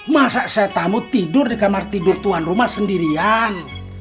masa saya tamu tidur di kamar tidur tuan rumah sendirian